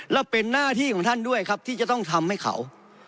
แล้วเป็นหน้าที่ของท่านด้วยครับที่จะต้องทำให้เขา